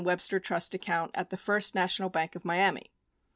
1053 Hewitt & Webster trust account at the First National Bank of Miami.